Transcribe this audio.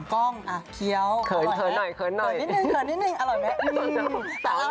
ไม่เคยกินสวยสวย